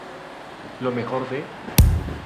Lo mejor de...